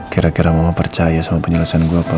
kira kira mama percaya sama penyelesaian gue apa